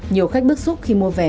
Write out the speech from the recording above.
nhiều khách bức xúc khi mua vé